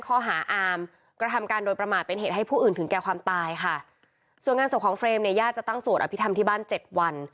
แล้วก็จะมีพิธิชาพนักกิจวันอาทิตย์ที่๒๖กุมภาพันธ์นี้นะคะ